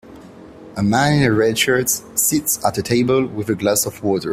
A man in a red shirt sits at a table with a glass of water.